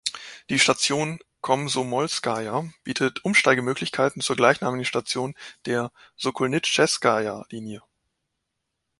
Die Station Komsomolskaja bietet Umsteigemöglichkeit zur gleichnamigen Station der Sokolnitscheskaja-Linie.